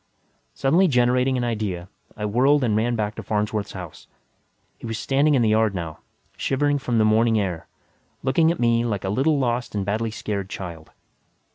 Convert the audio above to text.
Suddenly generating an idea, I whirled and ran back to Farnsworth's house. He was standing in the yard now, shivering from the morning air, looking at me like a little lost and badly scared child.